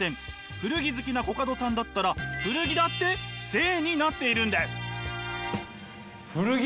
古着好きなコカドさんだったら古着だって聖になっているんです。